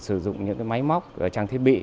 sử dụng những cái máy móc trang thiết bị